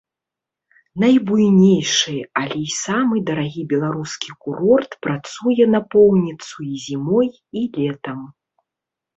Найбуйнейшы, але і самы дарагі беларускі курорт працуе напоўніцу і зімой, і летам.